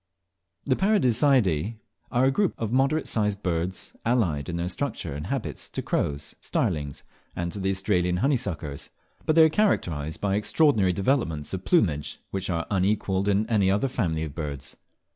The Paradiseidae are a group of moderate sized birds, allied in their structure and habits to crows, starlings, and to the Australian honeysuckers; but they are characterised by extraordinary developments of plumage, which are unequalled in any other family of birds.